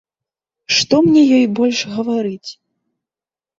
Што мне ёй больш гаварыць?